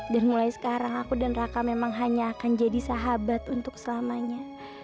dan mulai sekarang aku dan raka memang hanya akan jadi sahabat untuk selamanya